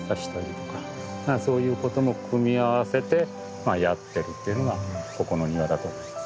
だからそういうことも組み合わせてやってるっていうのがここの庭だと思います。